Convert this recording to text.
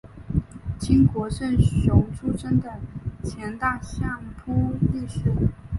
清国胜雄出身的前大相扑力士。